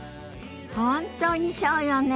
本当にそうよね。